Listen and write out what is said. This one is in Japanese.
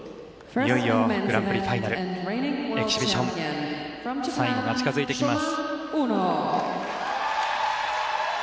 いよいよグランプリファイナルエキシビション最後が近付いてきます。